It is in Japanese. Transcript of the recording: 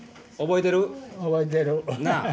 覚えてる。